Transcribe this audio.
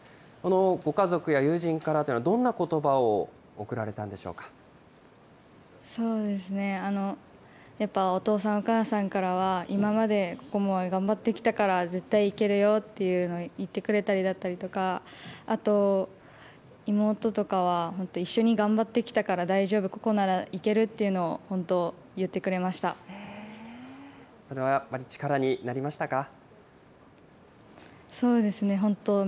ご家族や友人からというのはどんなことばを贈られたんでしょそうですね、やっぱお父さんお母さんからは、今まで心椛は頑張ってきたから絶対いけるよっていうのを言ってくれたりだったりとか、あと妹とかは本当、一緒に頑張ってきたから大丈夫、ここならいけるっていうのを、本当、言それはやっぱり力になりましそうですね、本当